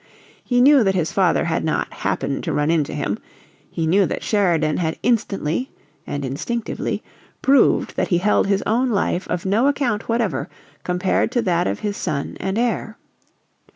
He knew that his father had not "happened" to run into him; he knew that Sheridan had instantly and instinctively proved that he held his own life of no account whatever compared to that of his son and heir.